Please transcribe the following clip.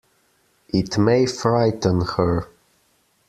It may frighten her.